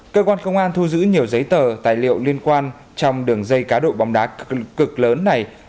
cơ quan công an thu giữ nhiều giấy tờ tài liệu liên quan trong đường dây cá độ bóng đá cực lớn này